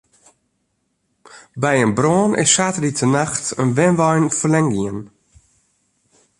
By in brân is saterdeitenacht in wenwein ferlern gien.